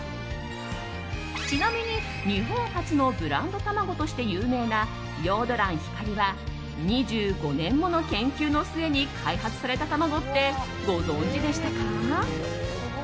ちなみに日本初のブランド卵として有名なヨード卵・光は２５年もの研究の末に開発された卵ってご存じでしたか？